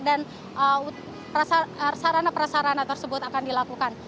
dan sarana prasarana tersebut akan dilakukan